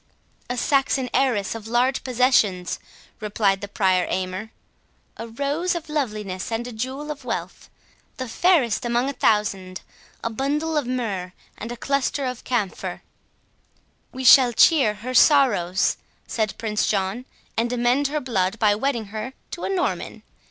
"A Saxon heiress of large possessions," replied the Prior Aymer; "a rose of loveliness, and a jewel of wealth; the fairest among a thousand, a bundle of myrrh, and a cluster of camphire." "We shall cheer her sorrows," said Prince John, "and amend her blood, by wedding her to a Norman.